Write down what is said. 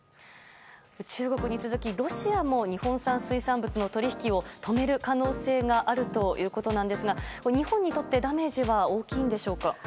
中国に続きロシアも日本産水産物の取引を止める可能性があるということですが日本にとってダメージは大きいんでしょうか。